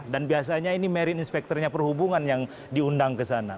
dan biasanya ini marine inspector nya perhubungan yang diundang ke sana